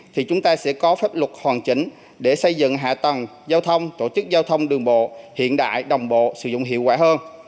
thì chúng ta sẽ có pháp luật hoàn chỉnh để xây dựng hạ tầng giao thông tổ chức giao thông đường bộ hiện đại đồng bộ sử dụng hiệu quả hơn